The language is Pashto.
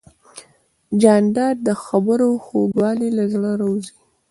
جانداد د خبرو خوږوالی له زړه راوزي.